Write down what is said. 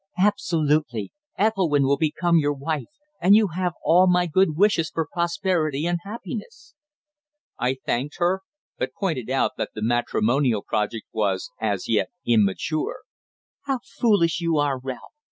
"Absolutely. Ethelwynn will become your wife, and you have all my good wishes for prosperity and happiness." I thanked her, but pointed out that the matrimonial project was, as yet, immature. "How foolish you are, Ralph!"